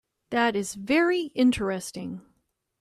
That is very interesting.